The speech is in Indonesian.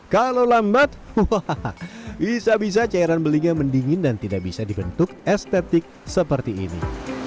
kalau lambat bisa bisa cairan belinya mendingin dan tidak bisa dibentuk estetik seperti ini